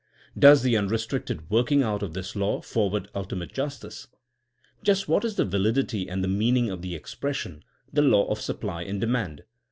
216 THINEINa A8 A SOIENOE Does the unrestricted working out of this law forward ultimate justice ? Just what is the va lidity and the meaning of the expression *^The law of supply and demand?